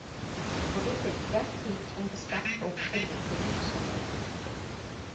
Poliisi ejja kuyitimusa obutebenkevu mu ssomero lyaffe.